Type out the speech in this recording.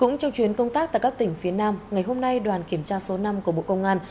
cũng trong chuyến công tác tại các tỉnh phía nam ngày hôm nay đoàn kiểm tra số năm của bộ công an